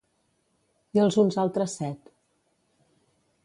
I els uns altres set?